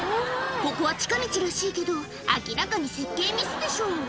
ここは近道らしいけど、明らかに設計ミスでしょう。